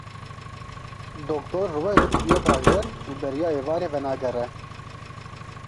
Dr. Rweylot çûye bajêr û beriya êvarê venagere.